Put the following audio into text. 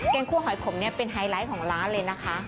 งคั่วหอยขมเนี่ยเป็นไฮไลท์ของร้านเลยนะคะ